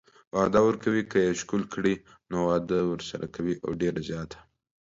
وعده ورکوي چې که يې ښکل کړي نو واده ورسره کوي او ډيره زياته